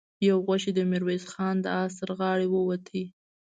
يو غشۍ د ميرويس خان د آس تر غاړې ووت.